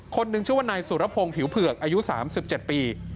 คนนึงชื่อว่านายสุรพงศ์ผิวเผือกอายุสามสิบเจ็ดปี